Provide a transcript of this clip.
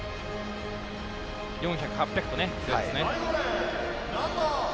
４００、８００と強いですよね。